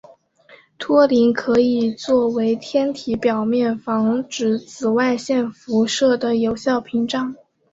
托林可以作为天体表面防止紫外线辐射的有效屏障。